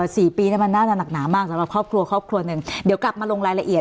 สี่ปีเนี้ยมันน่าจะหนักหนามากสำหรับครอบครัวครอบครัวหนึ่งเดี๋ยวกลับมาลงรายละเอียด